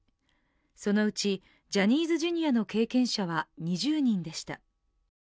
そのうち、ジャニーズＪｒ．の経験者は２０人でした。